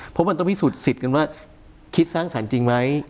เพราะมันต้องพิสูจนสิทธิ์กันว่าคิดสร้างสรรค์จริงไหม